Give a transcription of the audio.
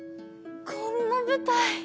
こんな舞台。